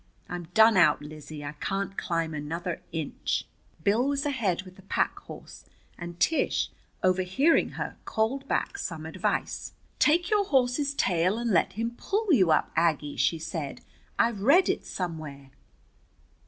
I'm done out, Lizzie. I can't climb another inch." Bill was ahead with the pack horse, and Tish, overhearing her, called back some advice. "Take your horse's tail and let him pull you up, Aggie," she said. "I've read it somewhere."